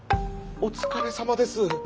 お疲れさまです。